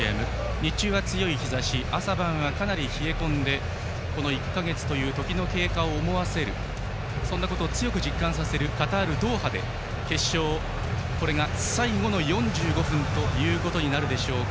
日中は強い日ざし朝晩は冷え込んでこの１か月という時の経過を思わせるそんなことを強く実感させるカタール・ドーハで決勝、これが最後の４５分となるでしょうか。